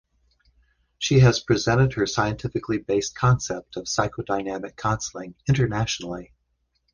She has presented her scientifically based concept of psychodynamic counseling internationally.